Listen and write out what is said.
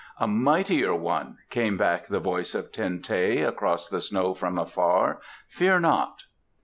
"A mightier one," came back the voice of Ten teh, across the snow from afar. "Fear not."